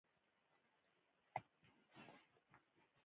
د چاقو په واسطه یې وګروئ.